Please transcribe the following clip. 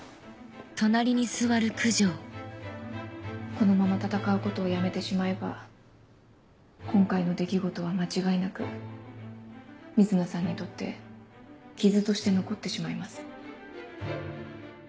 このまま闘うことをやめてしまえば今回の出来事は間違いなく瑞奈さんにとって傷として残ってしまいます。